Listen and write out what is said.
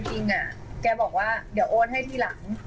จริงแกบอกว่าเดี๋ยวโอนให้ทีหลัง